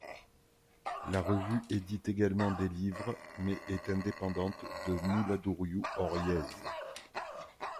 La revue édite également des livres mais est indépendante de Mouladurioù Hor Yezh.